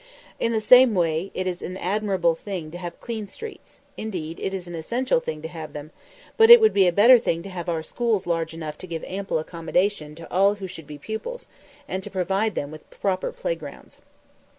In the same way it is an admirable thing to have clean streets; indeed, it is an essential thing to have them; but it would be a better thing to have our schools large enough to give ample accommodation to all who should be pupils and to provide them with proper playgrounds.